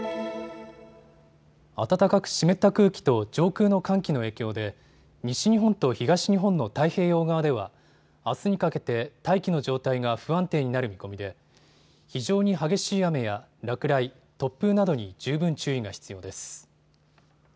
暖かく湿った空気と上空の寒気の影響で西日本と東日本の太平洋側ではあすにかけて大気の状態が不安定になる見込みで非常に激しい雨や落雷、突風などに十分注意が必要です。